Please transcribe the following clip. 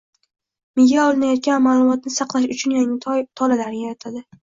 Miya olinayotgan ma’lumotni saqlash uchun yangi tolalarni yaratadi.